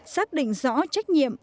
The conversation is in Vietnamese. xác định rõ trách nhiệm